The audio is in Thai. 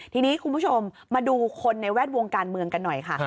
ทีนี้คุณผู้ชมมาดูคนในแวดวงการเมืองกันหน่อยค่ะ